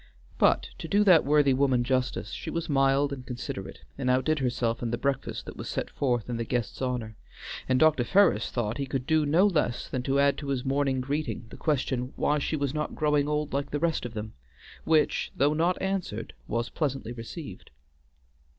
But, to do that worthy woman justice, she was mild and considerate, and outdid herself in the breakfast that was set forth in the guest's honor, and Dr. Ferris thought he could do no less than to add to his morning greeting the question why she was not growing old like the rest of them, which, though not answered, was pleasantly received.